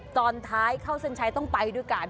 ตอนท้ายเข้าเส้นชัยต้องไปด้วยกัน